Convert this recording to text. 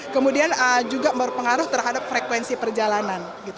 kemudian juga berpengaruh terhadap frekuensi perjalanan